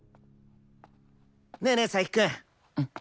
ねえねえ佐伯くん！